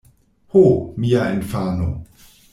Ho, mia infano!